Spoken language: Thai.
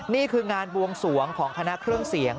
นี่คืองานบวงสวงของคณะเครื่องเสียง